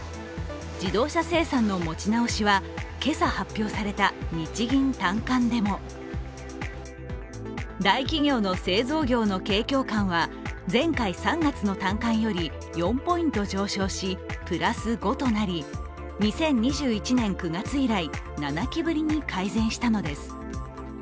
自動車生産の持ち直しは今朝発表された日銀短観でも大企業の製造業の景況感は前回３月の短観より４ポイント上昇し、プラス５となり２０２１年９月以来７期ぶりに改善したのです。